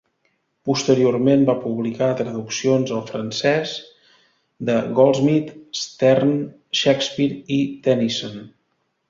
Posteriorment va publicar traduccions al francès de Goldsmith, Sterne, Shakespeare i Tennyson.